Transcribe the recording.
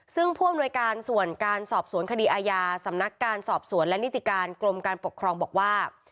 ซึ่งผู้อำนวยการส่วนการสอบสวนคดีอาญาสำนักการสอบสวนและนิติการกรมการปกครองบอกว่า